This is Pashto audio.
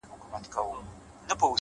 لكه د مور چي د دعا خبر په لپه كــي وي ـ